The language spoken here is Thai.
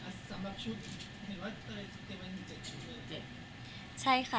อ่ะสำหรับชุดที่ก็เป็น๗อะ